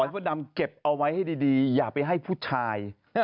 พระดำเก็บเอาไว้ให้ดีอย่าไปให้ผู้ชาย